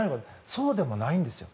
そうでもないんですよ。